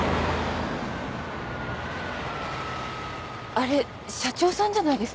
あれ社長さんじゃないですか？